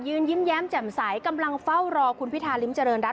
ยิ้มแย้มแจ่มใสกำลังเฝ้ารอคุณพิธาริมเจริญรัฐ